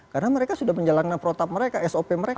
karena mereka sudah menjalankan protap mereka sop mereka